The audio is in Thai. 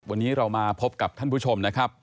วันนี้เรามาพบกับท่านผู้ชมนะครับ